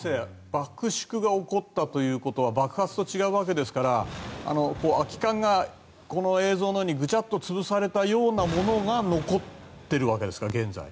爆縮が起こったということは爆発と違うわけですから空き缶がこの映像のようにグチャッと潰されたようなものが残っているわけですか。